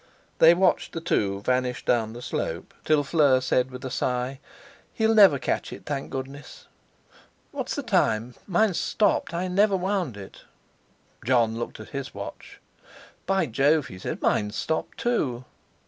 They watched the two vanish down the slope, till Fleur said with a sigh: "He'll never catch it, thank goodness! What's the time? Mine's stopped. I never wound it." Jon looked at his watch. "By Jove!" he said, "mine's stopped; too."